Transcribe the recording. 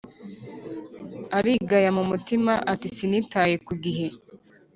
arigaya mumutima ati"sinitaye kugihe